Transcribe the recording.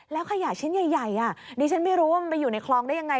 แล้วขยะชิ้นใหญ่ดิฉันไม่รู้ว่ามันไปอยู่ในคลองได้ยังไง